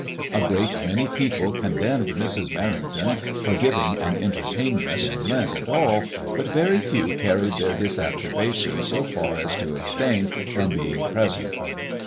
A great many people condemned Mrs. Merrington for giving an enter tainment in Lent at all, but very few carried their disapprobation so far as to abstain from being present.